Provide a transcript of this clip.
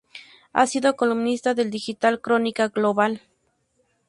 Ha sido columnista del digital Crónica Global.